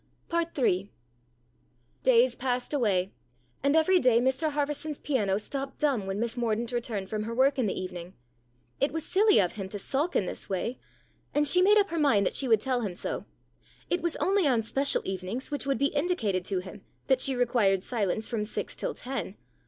Ill DAYS passed away, and every day Mr Harverson's piano stopped dumb when Miss Mordaunt returned 174 STORIES IN GREY from her work in the evening. It was silly of him to sulk in this way, and she made up her mind that she would tell him so. It was only on special evenings, which would be indicated to him, that she required silence from six till ten.